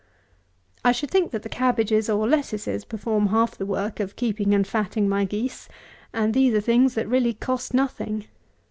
I should think that the cabbages or lettuces perform half the work of keeping and fatting my geese; and these are things that really cost nothing.